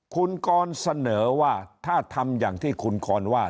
คุณกรเสนอว่าถ้าทำอย่างที่คุณกรว่า